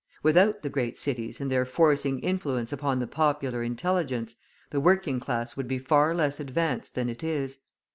Without the great cities and their forcing influence upon the popular intelligence, the working class would be far less advanced than it is.